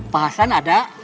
pak hasan ada